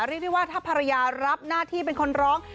เรียกได้ว่าถ้าภรรยารับหน้าที่เป็นคนร้อง